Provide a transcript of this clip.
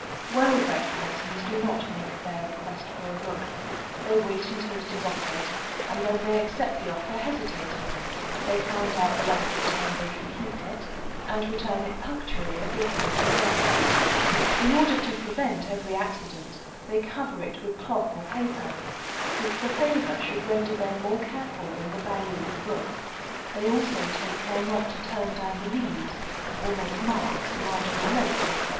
Well bred persons do not make a bare request for a book; they wait until it is offered, and then they accept the offer hesitatingly; they find out the length of time they can keep it, and return it punctually at the appointed day. In order to prevent every accident, they cover it with cloth or paper, since the favor should render them more careful than the value of the book; they also take care not to turn down the leaves, or make marks, marginal notes, &c.